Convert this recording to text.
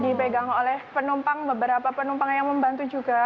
dipegang oleh penumpang beberapa penumpang yang membantu juga